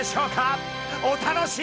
お楽しみに！